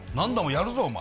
やるぞお前。